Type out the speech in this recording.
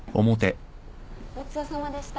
ごちそうさまでした。